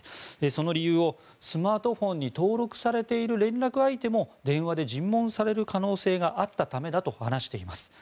その理由をスマートフォンに登録されている連絡相手も電話で尋問される可能性があったためだと話しています。